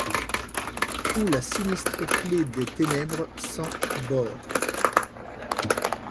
Ou la sinistre clef dés ténèbres sanS bords. ?